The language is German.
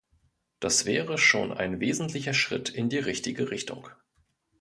Das wäre schon ein wesentlicher Schritt in die richtige Richtung.